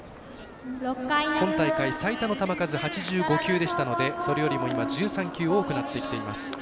今大会、最多の球数８５球でしたのでそれよりも１３球多くなってきてます。